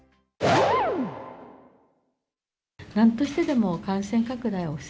なんとしてでも感染拡大を防